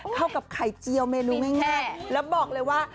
เข้ากับไข่เจียวเมนูง่ายแล้วบอกเลยว่า